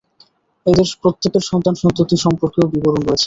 এদের প্রত্যেকের সন্তান-সন্ততি সম্পর্কেও বিবরণ রয়েছে।